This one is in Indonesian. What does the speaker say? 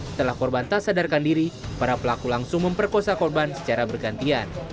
setelah korban tak sadarkan diri para pelaku langsung memperkosa korban secara bergantian